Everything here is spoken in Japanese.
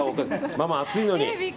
ママ、暑いのに。